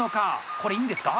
これ、いいんですか？